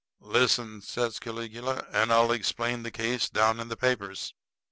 "Listen," says Caligula, "and I'll explain the case set down in the papers.